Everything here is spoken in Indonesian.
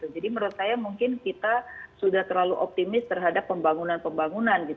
jadi menurut saya mungkin kita sudah terlalu optimis terhadap pembangunan pembangunan